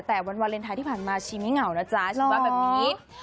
แต่วันวาเลนไทยที่ผ่านมาชีไม่เหงานะจ๊ะชีว่าแบบนี้